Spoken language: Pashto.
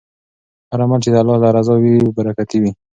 هر عمل چې د الله د رضا لپاره وي برکتي وي.